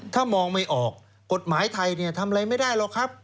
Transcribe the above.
ถ้ามองไม่ออกกฎหมายไทยทำอะไรไม่ได้หรอกครับ